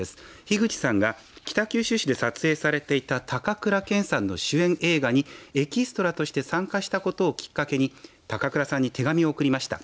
樋口さんが、北九州市で撮影されていた高倉健さんの主演映画にエキストラとして参加したことをきっかけに高倉さんに手紙を送りました。